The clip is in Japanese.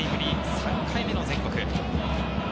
３回目の全国。